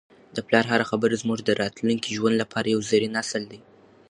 د پلار هره خبره زموږ د راتلونکي ژوند لپاره یو زرین اصل دی.